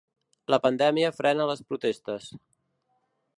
La pandèmia frena les protestes.